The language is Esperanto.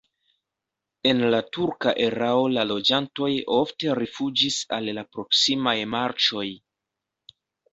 En la turka erao la loĝantoj ofte rifuĝis al la proksimaj marĉoj.